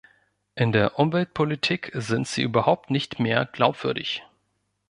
In der Umweltpolitik sind Sie überhaupt nicht mehr glaubwürdig.